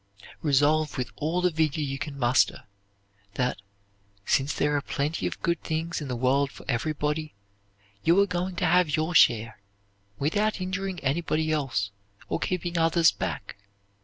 Resolve with all the vigor you can muster that, since there are plenty of good things in the world for everybody, you are going to have your share, without injuring anybody else or keeping others back.